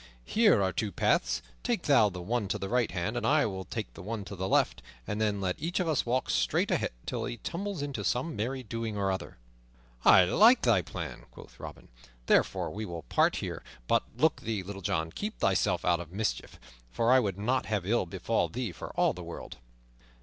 Here are two paths; take thou the one to the right hand, and I will take the one to the left, and then let us each walk straight ahead till he tumble into some merry doing or other." "I like thy plan," quoth Robin, "therefore we will part here. But look thee, Little John, keep thyself out of mischief, for I would not have ill befall thee for all the world."